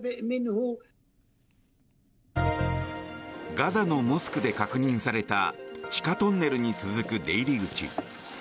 ガザのモスクで確認された地下トンネルに続く出入り口。